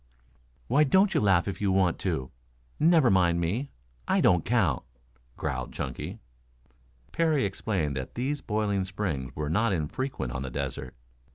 "Why don't you laugh if you want to? Never mind me. I don't count," growled Chunky. Parry explained that these boiling springs were not infrequent on the desert.